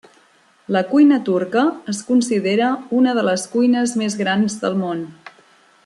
La cuina turca es considera una de les cuines més grans del món.